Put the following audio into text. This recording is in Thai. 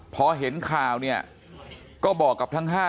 เพราะเห็นค่านี้ก็บอกกับทั้ง๕คน